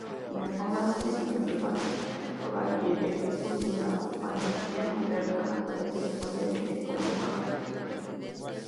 En el romance medieval caballeresco y en la fantasía moderna aparece frecuentemente como mago.